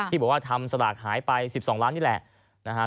ที่บอกว่าทำลอตเตอรี่หายไป๑๒ล้านบาทนี่แหละ